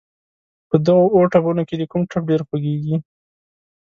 په دغه اووه ټپونو کې دې کوم ټپ ډېر خوږېږي.